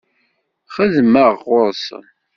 Xeddmeɣ ɣur-sen.